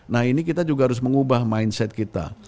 nah ini kita juga harus mengubah mindset kita